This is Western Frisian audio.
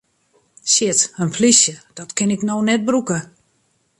Shit, in plysje, dat kin ik no net brûke!